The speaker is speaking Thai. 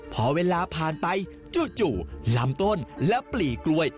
พอเวลาผ่านไปจู่ลำต้นและปลีกล้วย